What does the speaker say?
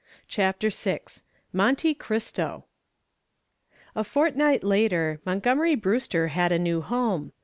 CHAPTER VI MONTY CRISTO A fortnight later Montgomery Brewster had a new home.